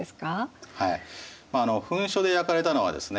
はい焚書で焼かれたのはですね